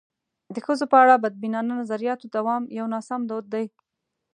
د ښځو په اړه د بدبینانه نظریاتو دوام یو ناسم دود دی.